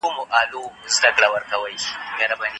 پخوانی فکر اوس کار نه ورکوي.